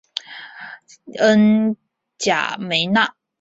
恩贾梅纳。